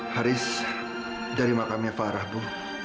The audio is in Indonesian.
haris dari makamnya farah bu